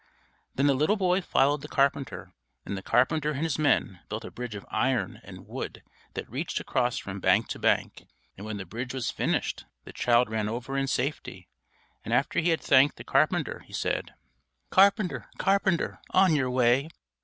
Then the little boy followed the carpenter, and the carpenter and his men built a bridge of iron and wood that reached across from bank to bank. And when the bridge was finished, the child ran over in safety; and after he had thanked the carpenter, he said: "_Carpenter, carpenter, on your way!